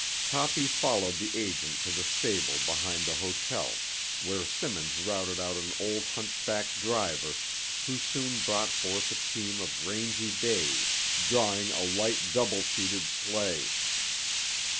Toppy followed the agent to the stable behind the hotel, where Simmons routed out an old hunchbacked driver who soon brought forth a team of rangy bays drawing a light double seated sleigh.